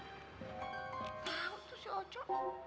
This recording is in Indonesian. gak tau tuh si ojo